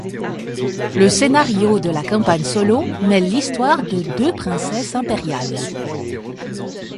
Le scénario de la campagne solo mêle l'histoire de deux princesses impériales.